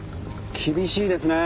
厳しいですねえ。